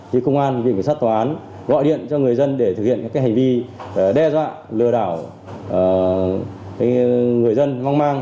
thì công an vịnh vực sát tòa án gọi điện cho người dân để thực hiện những hành vi đe dọa lừa đảo người dân vang mang